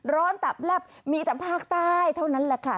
ตับแลบมีแต่ภาคใต้เท่านั้นแหละค่ะ